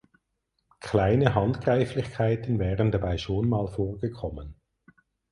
Kleine Handgreiflichkeiten wären dabei schon mal vorgekommen.